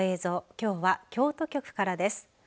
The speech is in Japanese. きょうは京都局からです。